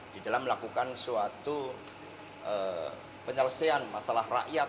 di dalam melakukan suatu penyelesaian masalah rakyat